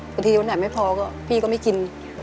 อยู่วันไหนไม่พอก็พี่ก็ไม่กิน